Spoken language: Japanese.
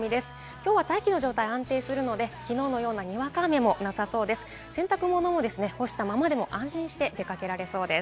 今日は大気の状態、安定するので昨日のようなにわか雨もなさそうです。